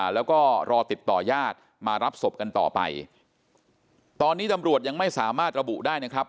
แล้วก็รอติดต่อยาดมารับศพกันต่อไปตอนนี้ตำรวจยังไม่สามารถระบุได้นะครับ